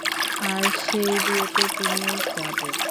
আর সেই বিয়েতে তুমিও যাবে।